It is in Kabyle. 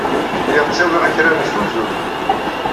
Lliɣ ttawyeɣ akraren s ulzuz.